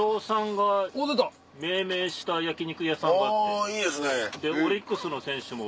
あぁいいですね。